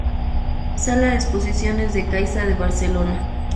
Sala de exposiciones de Caixa de Barcelona.